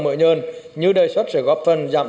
mỡ nhờn như đề xuất sẽ góp phần giảm